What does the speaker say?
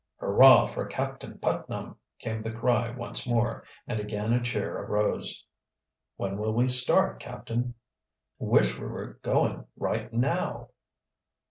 "Hurrah for Captain Putnam!" came the cry once more, and again a cheer arose. "When will we start, captain?" "Wish we were going right now!"